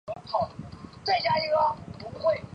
现在沃伊达奇城堡是匈牙利农业博物馆的所在地。